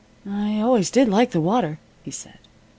"I always did like the water," he said.